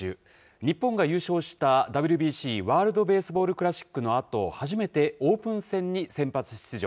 日本が優勝した、ＷＢＣ・ワールドベースボールクラシックのあと、初めてオープン戦に先発出場。